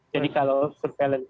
jadi kalau surveillance